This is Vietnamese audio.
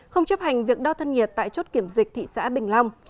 không chấp hành việc đo thân nhiệt tại chốt kiểm dịch thị xã bình long